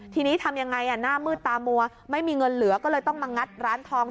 ทีนี้ทำยังไงหน้ามืดตามัวไม่มีเงินเหลือก็เลยต้องมางัดร้านทอง